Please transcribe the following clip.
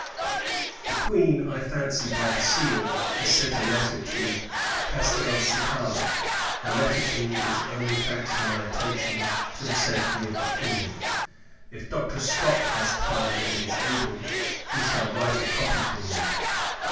The Queen, I fancy, by the seal, has sent a letter to Castelcicala; her letter to me is only thanks for my attention to the safety of the kingdom. If Dr. Scott has time, and is able, he shall write a copy for you.